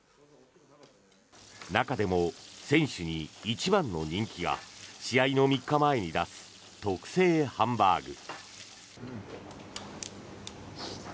中でも選手に一番の人気が試合の３日前に出す特製ハンバーグ。